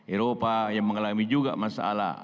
eropa yang mengalami juga masalah